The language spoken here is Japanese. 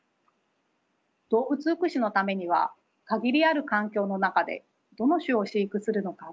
動物福祉のためには限りある環境の中でどの種を飼育するのかということは重要です。